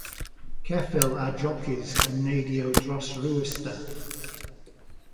Ceffyl a jocis yn neidio dros rwystr.